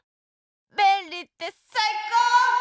べんりってさいこう！